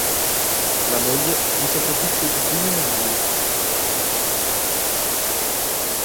La moglie gli sopravvisse di due anni.